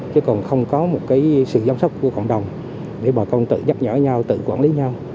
chứ còn không có một cái sự giám sát của cộng đồng để bà con tự nhắc nhở nhau tự quản lý nhau